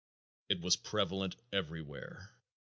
It was prevalent everywhere.